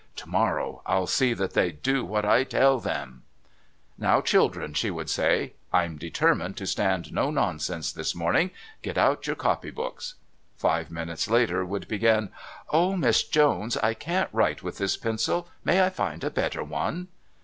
"To morrow I'll see that they do what I tell them " "Now, children," she would say, "I'm determined to stand no nonsense this morning. Get out your copy books." Five minutes later would begin: "Oh, Miss Jones, I can't write with this pencil. May I find a better one?"